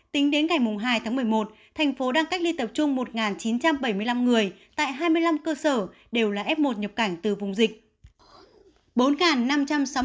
tính đến ngày hai tháng một mươi một thành phố đang cách ly tập trung một chín trăm bảy mươi năm người tại hai mươi năm cơ sở đều là f một nhập cảnh từ vùng dịch